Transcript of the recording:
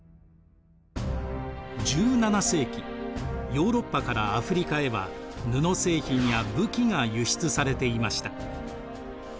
１７世紀ヨーロッパからアフリカへは布製品や武器が輸出されていました。